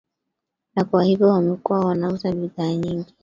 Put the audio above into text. na kwa hiyo wamekuwa wanauza bidhaa nyingi